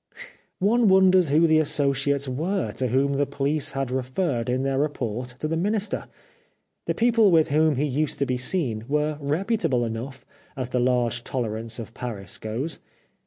One wonders who the associates were to whom the police had referred in their report to the Minister. The people with whom he used to be seen were reputable enough as the large tolerance of Paris goes.